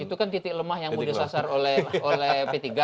itu kan titik lemah yang mau disasar oleh p tiga